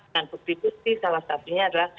dan bukti bukti salah satunya adalah